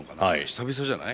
久々じゃない？